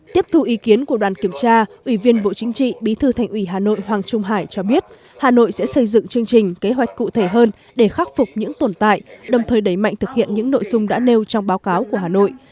tiếp thu ý kiến của đoàn kiểm tra ủy viên bộ chính trị bí thư thành ủy hà nội hoàng trung hải cho biết hà nội sẽ xây dựng chương trình kế hoạch cụ thể hơn để khắc phục những tồn tại đồng thời đẩy mạnh thực hiện những nội dung đã nêu trong báo cáo của hà nội